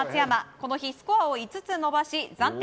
この日、スコアを５つ伸ばし暫定